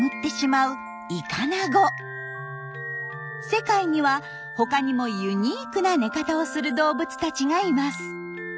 世界には他にもユニークな寝方をする動物たちがいます。